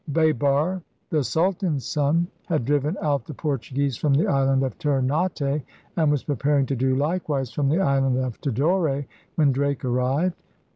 Baber, the Sultan's son, had driven out the Portuguese from the island of Ternate and was preparing to do likewise from the island of Tidore, when Drake arrived.